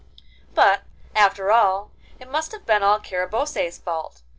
But, after all, it must have been all Carabosse's fault.